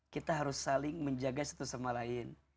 kita harus saling menjaga satu sama lain